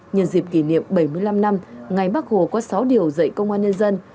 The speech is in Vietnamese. nhận dịp kỷ niệm bảy mươi năm năm ngày bắc hồ có sáu điều dạy công an nhân dân